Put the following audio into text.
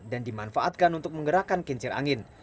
dan dimanfaatkan untuk menggerakkan kincir angin